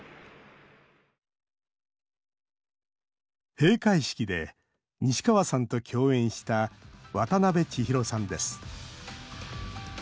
閉会式で西川さんと共演したわたなべちひろさんです。